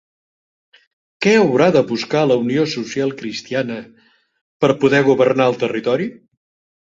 Què haurà de buscar la Unió Social-Cristiana per poder governar el territori?